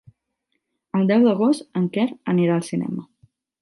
El deu d'agost en Quer anirà al cinema.